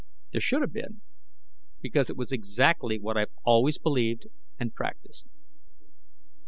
There should have been, because it was exactly what I've always believed and practiced.